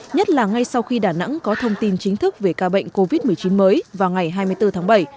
nhất là ngay sau khi đà nẵng có thông tin chính thức về ca bệnh covid một mươi chín mới vào ngày hai mươi bốn tháng bảy